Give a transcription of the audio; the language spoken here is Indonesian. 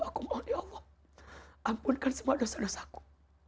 aku mohon ya allah ampunkan semua dosa dosaku